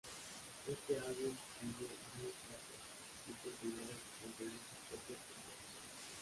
Este álbum sigue "New Chapter" y es el primero que contiene sus propias composiciones.